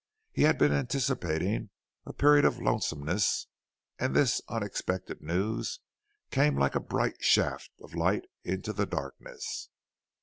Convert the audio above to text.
He had been anticipating a period of lonesomeness and this unexpected news came like a bright shaft of light into the darkness.